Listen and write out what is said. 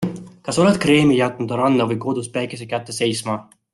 Kas oled kreemi jätnud ranna või kodus päikese kätte sesima?